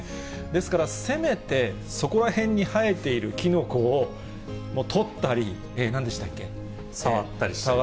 ですから、せめて、そこら辺に生えているキノコを採ったり、なんでしたっけ。